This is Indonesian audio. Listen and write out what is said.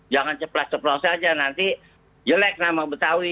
jangan ceplas ceplos saja nanti jelek nama betawi